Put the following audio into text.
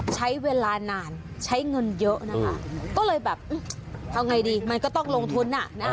ใช้เวลานานใช้เงินเยอะนะคะก็เลยแบบเอาไงดีมันก็ต้องลงทุน